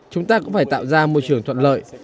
chúng ta cũng phải tạo ra môi trường thuận lợi